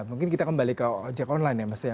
mungkin kita kembali ke ojek online ya mas ya